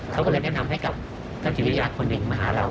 เขาก็เลยแนะนำให้กับท่านจิริยาคนหนึ่งมาหาเรา